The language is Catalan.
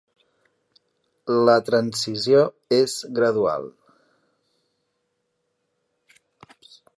La transició és gradual.